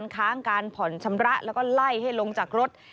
ค้างการผ่อนชำระแล้วก็ไล่ให้ลงจากรถ